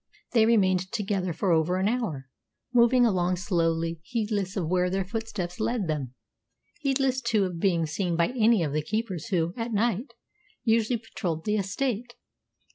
They remained together for over an hour, moving along slowly, heedless of where their footsteps led them; heedless, too, of being seen by any of the keepers who, at night, usually patrolled the estate.